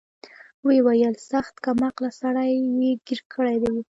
ويې ويل سخت کم عقله سړى يې ګير کړى يې.